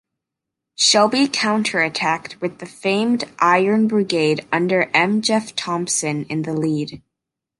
Shelby counterattacked with the famed Iron Brigade under M. Jeff Thompson in the lead.